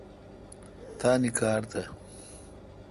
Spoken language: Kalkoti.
تانی کار تہ۔